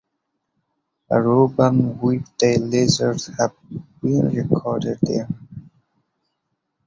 Aruban whiptail lizards have been recorded there.